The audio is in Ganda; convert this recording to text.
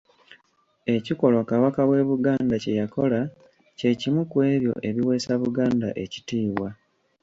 Ekikolwa Kabaka w'e Buganda kye yakola kye kimu ku ebyo ebiweesa Buganda ekitiibwa.